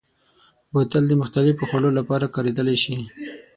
بوتل د مختلفو خوړو لپاره کارېدلی شي.